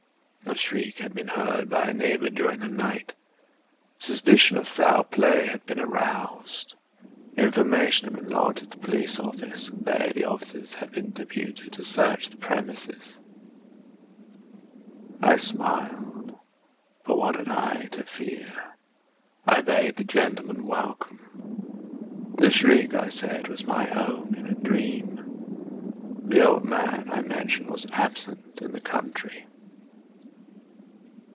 A shriek had been heard by a neighbour during the night; suspicion of foul play had been aroused; information had been lodged at the police office, and they (the officers) had been deputed to search the premises. I smiled,—for what had I to fear? I bade the gentlemen welcome. The shriek, I said, was my own in a dream. The old man, I mentioned, was absent in the country.